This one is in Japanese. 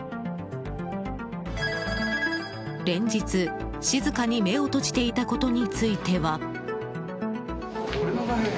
連日、静かに目を閉じていたことについては。